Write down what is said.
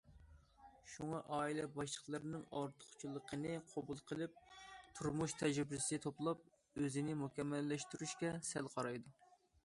شۇڭا ئائىلە باشلىقلىرىنىڭ ئارتۇقچىلىقىنى قوبۇل قىلىپ، تۇرمۇش تەجرىبىسى توپلاپ، ئۆزىنى مۇكەممەللەشتۈرۈشكە سەل قارايدۇ.